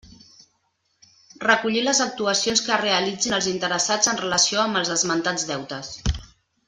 Recollir les actuacions que realitzin els interessats en relació amb els esmentats deutes.